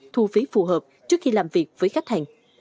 thu phí phù hợp trước khi làm việc với khách hàng